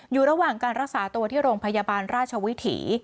อยู่ระหว่างการรักษาตัวที่โรงพยาบาลราชวิถี